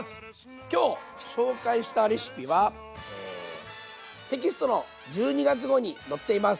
今日紹介したレシピはテキストの１２月号に載っています。